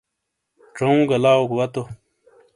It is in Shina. ژاوگہ لاؤ واتو